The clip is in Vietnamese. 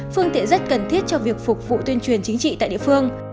phương tiện rất cần thiết cho việc phục vụ tuyên truyền chính trị tại địa phương